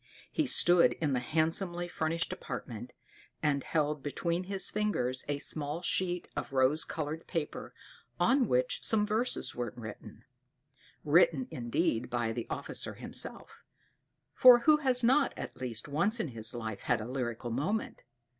He stood in the handsomely furnished apartment, and held between his fingers a small sheet of rose colored paper, on which some verses were written written indeed by the officer himself; for who has not, at least once in his life, had a lyrical moment?